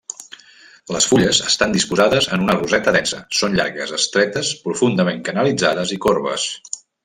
Les fulles estan disposades en una roseta densa, són llargues, estretes, profundament canalitzades i corbes.